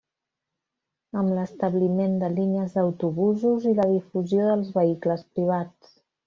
Amb l'establiment de línies d'autobusos i la difusió dels vehicles privats.